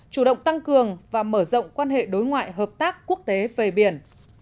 chủ động tăng cường và mở rộng quan hệ đối ngoại hợp tác quốc tế về biển